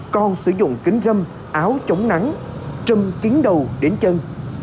còn sử dụng kính râm áo chống nắng trâm kính đầu đến chân